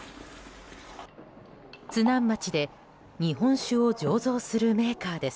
津南町で日本酒を醸造するメーカーです。